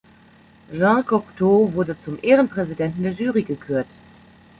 Jean Cocteau wurde zum Ehrenpräsidenten der Jury gekürt.